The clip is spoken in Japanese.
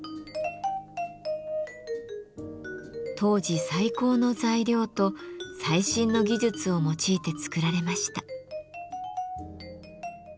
当時最高の材料と最新の技術を用いて作られました。